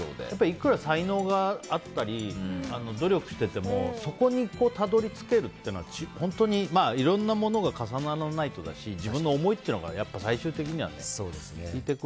いくら才能があったり努力しててもそこにたどり着けるっていうのは本当にいろんなものが重ならないとだし自分の思いというのがやっぱ最終的にはね。